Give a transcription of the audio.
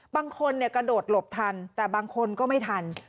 บางคนกระโดดหลบทันแต่บางคนก็ไม่ทัน